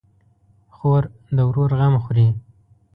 خور د ورور غم خوري.